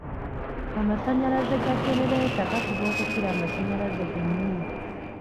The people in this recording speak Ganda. Amasannyalaze ga genereeta gakuba okukira amasannyalaze ge nnyini.